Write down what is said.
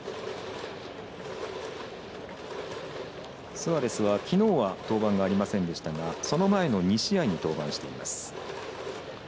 スアレスはきのうは登板がありませんでしたがその前の２試合に登板しています。